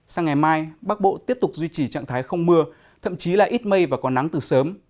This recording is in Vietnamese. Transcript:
sang ngày mai bắc bộ tiếp tục duy trì trạng thái không mưa thậm chí là ít mây và có nắng từ sớm